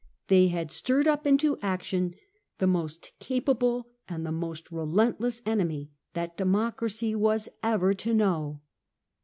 They had stirred, up into action the most capable and the most relentless enemy that the Democracy was ever to know.